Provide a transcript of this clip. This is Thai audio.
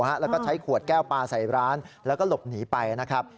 แล้วก็ใช้ขวดแก้วปลาใส่ร้านแล้วก็หลบหนีไปนะครับ